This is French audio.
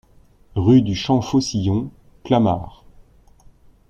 Rue du Champ Faucillon, Clamart